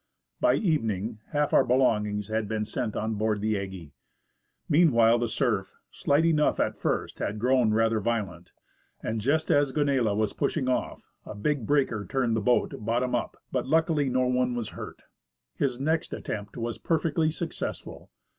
By evening half our belongings had been sent on board the Aggie. Meanwhile the surf, slight enough at first, had grown rather violent, and just as Gonella was pushing off, a big breaker turned the boat bottom up ; but luckily no one was hurt. His next attempt was perfectly successful.